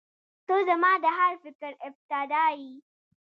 • ته زما د هر فکر ابتدا یې.